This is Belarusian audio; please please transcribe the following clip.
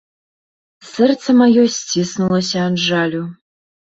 Сэрца маё сціснулася ад жалю.